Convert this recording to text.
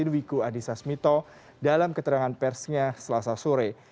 wiku adhisa smito dalam keterangan persnya selasa sore